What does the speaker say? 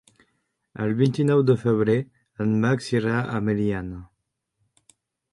El vint-i-nou de febrer en Max irà a Meliana.